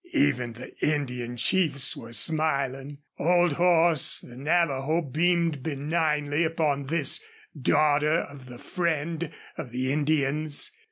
Even the Indian chiefs were smiling. Old Horse, the Navajo, beamed benignly upon this daughter of the friend of the Indians.